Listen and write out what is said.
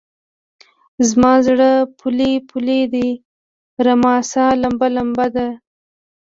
زما زړه پولۍ پولۍدی؛ رما سا لمبه لمبه ده